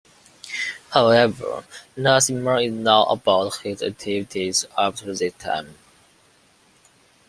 However, nothing more is known about his activities after this time.